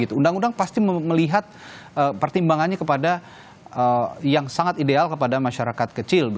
undang undang pasti melihat pertimbangannya kepada yang sangat ideal kepada masyarakat kecil